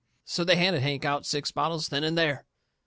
So they handed Hank out six bottles then and there."